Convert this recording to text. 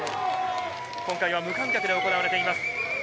今回は無観客で行われています。